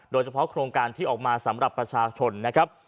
โครงการที่ออกมาสำหรับประชาชนนะครับ